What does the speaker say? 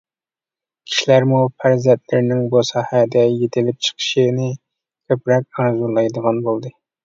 كىشىلەرمۇ پەرزەنتلىرىنىڭ بۇ ساھەدە يېتىلىپ چىقىشىنى كۆپرەك ئارزۇلايدىغان بولدى.